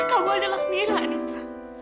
kamu adalah mira nisa